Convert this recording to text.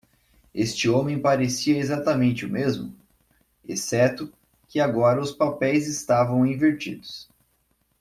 Este homem parecia exatamente o mesmo?, exceto que agora os papéis estavam invertidos.